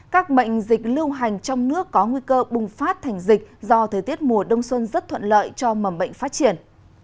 các bệnh dịch lưu hành trong nước có nguy cơ bùng phát thành dịch do thời tiết mùa đông xuân rất thuận lợi cho mầm bệnh phát triển